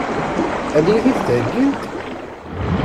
Ad iyi-t-id-heggint?